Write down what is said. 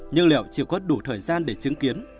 nhưng liệu chỉ có đủ thời gian để chứng kiến